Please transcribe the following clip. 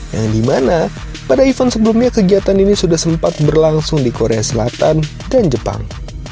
yang dimana pada event sebelumnya kegiatan ini sudah sempat berlangsung di korea selatan dan jepang